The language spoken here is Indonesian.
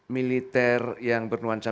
militer yang bernuansa